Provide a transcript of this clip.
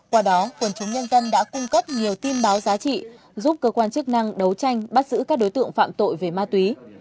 qua đó quần chúng nhân dân đã cung cấp nhiều tin báo giá trị giúp cơ quan chức năng đấu tranh bắt giữ các đối tượng phạm tội về ma túy